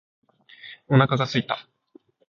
お腹が空いた。